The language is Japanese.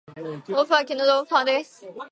豆腐は絹豆腐派です